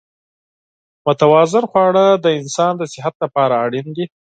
متوازن خواړه د انسان د صحت لپاره اړین دي.